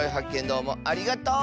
どうもありがとう！